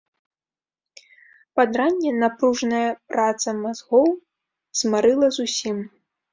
Пад ранне напружная праца мазгоў змарыла зусім.